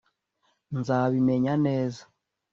Nzabimenya neza